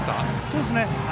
そうですね。